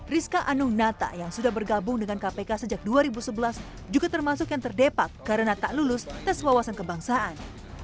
rizka anung nata yang sudah bergabung dengan kpk sejak dua ribu sebelas juga termasuk yang terdepak karena tak lulus tes wawasan kebangsaan